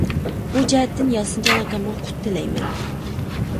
بۇ جەھەتتىن ياسىنجان ئاكامغا قۇت تىلەيمەن.